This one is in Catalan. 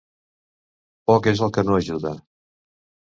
Poc és el que no ajuda.